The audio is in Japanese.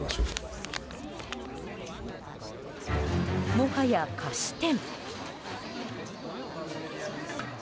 もはや菓子店。